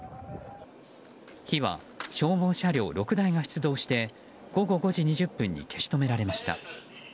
火は消防車両６台が出動して午後５時２０分に消し止められました。